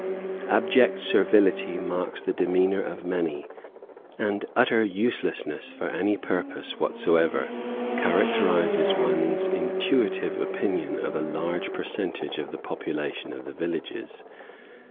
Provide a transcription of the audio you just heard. Abject servility marks the demeanor of many, and utter uselessness for any purpose whatsoever, characterizes one's intuitive opinion of a large percentage of the population of the villages.